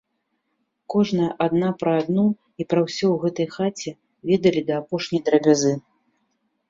Кожная адна пра адну і пра ўсё ў гэтай хаце ведалі да апошняй драбязы.